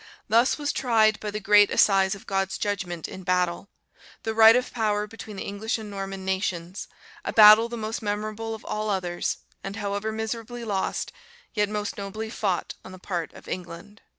"] "Thus was tried, by the great assize of God's judgment in battle, the right of power between the English and Norman nations; a battle the most memorable of all others; and, however miserably lost, yet most nobly fought on the part of England."